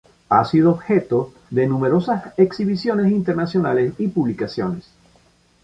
Ha sido objeto de numerosas exhibiciones internacionales y publicaciones.